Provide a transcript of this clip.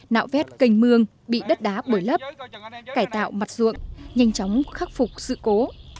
nạo vét cành mương bị đất đá bồi lớp cải tạo mặt ruộng nhanh chóng khắc phục sự cố